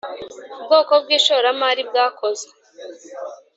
bwoko bw ishoramari bwakozwe